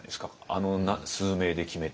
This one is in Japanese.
あの数名で決めて。